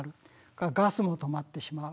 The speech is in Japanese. ガスも止まってしまう。